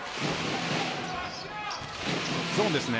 ゾーンですね。